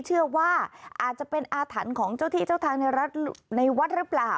เชื่อว่าอาจจะเป็นอาถรรพ์ของเจ้าที่เจ้าทางในวัดหรือเปล่า